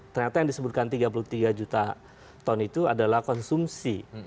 ternyata yang disebutkan tiga puluh tiga juta ton itu adalah konsumsi